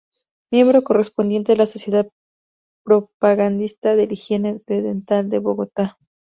Miembro correspondiente de la Sociedad Propagandista del Higiene de Dental de Bogotá.